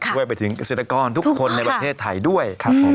ช่วยไปถึงเศรษฐกรทุกคนในประเทศไทยด้วย